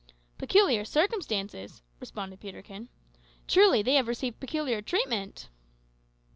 "Peculiar circumstances!" responded Peterkin. "Truly they have received peculiar treatment!"